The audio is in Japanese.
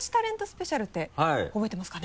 スペシャルって覚えてますかね？